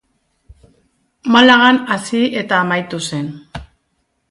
Malagan hasi eta amaitu zen.